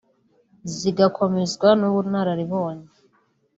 zigakomezwa n’ubunararibonye